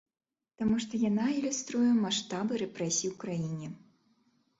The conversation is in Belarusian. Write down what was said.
Таму што яна ілюструе маштабы рэпрэсій у краіне.